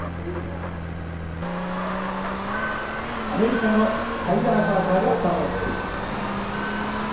アメリカのタイラー・カーターがスタート。